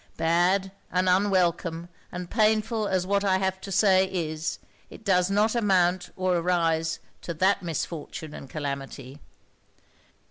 'Bad, and unwelcome, and painful as what I have to say is, it does not amount or arise to that misfortune and calamity.'